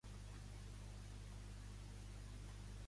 Els cavalls i les egües tenen una mateixa condició física?